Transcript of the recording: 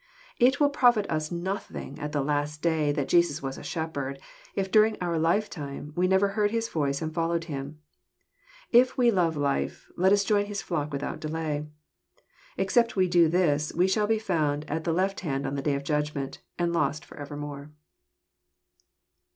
It will profit us nothing at the last day that Jesus was a Shepherd, if during our lifetime, we never heard His voice and followed Him. If we love life, let us join His flock without delay. Except we do this, we shall be found at the lefb hand in the day of judgment, and lost for evermore.